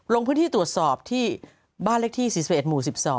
ลงพื้นที่ตรวจสอบที่บ้านเลขที่๔๑หมู่๑๒